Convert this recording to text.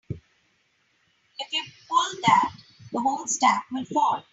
If you pull that the whole stack will fall.